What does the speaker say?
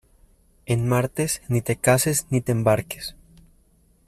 En martes ni te cases ni te embarques.